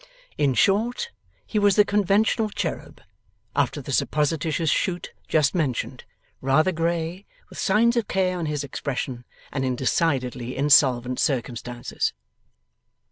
In short, he was the conventional cherub, after the supposititious shoot just mentioned, rather grey, with signs of care on his expression, and in decidedly insolvent circumstances.